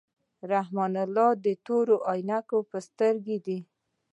رحیم الله تورې عینکی په سترګو دي.